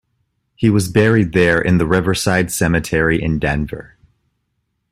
He was buried there in the Riverside Cemetery in Denver.